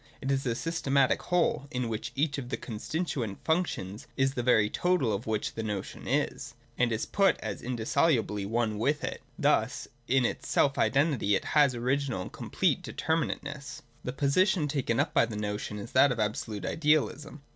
It is a systematic whole, in which each of its constituent functions is the very total which the notion is, and is put as in dissolubly one with it. Thus in its self identity it has original and complete determinateness. The position taken up by the notion is that of absolute idealism.